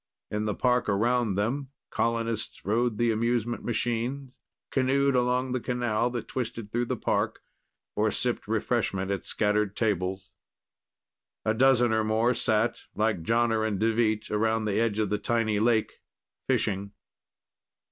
In the park around them, colonists rode the amusement machines, canoed along the canal that twisted through the park or sipped refreshment at scattered tables. A dozen or more sat, like Jonner and Deveet, around the edge of the tiny lake, fishing.